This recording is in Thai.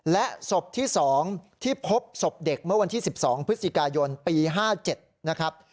และศพที่๒ที่พบศพเด็กเมื่อวันที่๑๒พฤศจิกายนปี๕๗นะครับ